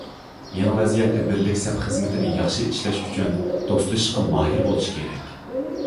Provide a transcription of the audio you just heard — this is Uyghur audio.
يېڭى ۋەزىيەتتە بىرلىك سەپ خىزمىتىنى ياخشى ئىشلەش ئۈچۈن، دوستلىشىشقا ماھىر بولۇش كېرەك.